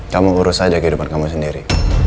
kamu urus saja kehidupan kamu sendiri